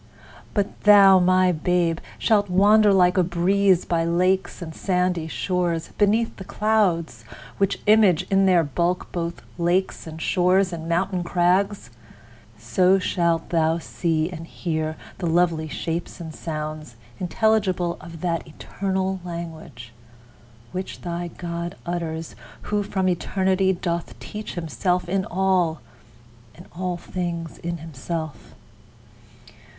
But thou, my babe! shalt wander like a breeze By lakes and sandy shores, beneath the clouds, Which image in their bulk both lakes and shores And mountain crags: so shalt thou see and hear The lovely shapes and sounds intelligible Of that eternal language, which thy God Utters, who from eternity, doth teach Himself in all, and all things in himself.